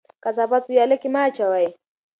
کثافات په ویاله کې مه اچوئ.